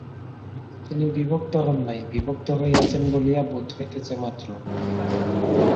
তিনি বিভক্ত হন নাই, বিভক্ত হইয়াছেন বলিয়া বোধ হইতেছে মাত্র।